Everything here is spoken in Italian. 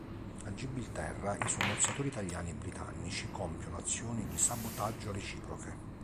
A Gibilterra i sommozzatori italiani e britannici compiono azioni di sabotaggio reciproche.